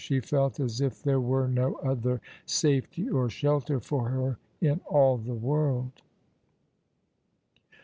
She felt as if there were no other safety or shelter for her in all the world.